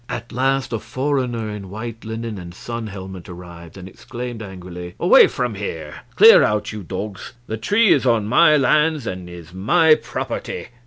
At last a foreigner in white linen and sun helmet arrived, and exclaimed, angrily: "Away from here! Clear out, you dogs; the tree is on my lands and is my property."